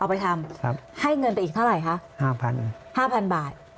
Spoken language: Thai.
ไปทำให้เงินไปอีกเท่าไหร่คะ๕๐๐๕๐๐บาท